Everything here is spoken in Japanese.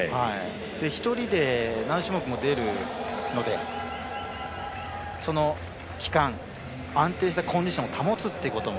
１人で何種目も出るのでその期間、安定したコンディションを保つことも。